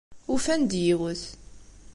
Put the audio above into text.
Ufan-d yiwet.